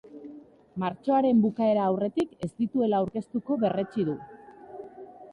Martxoaren bukaera aurretik ez dituela aurkeztuko berretsi du.